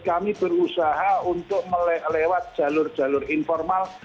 kami berusaha untuk lewat jalur jalur informal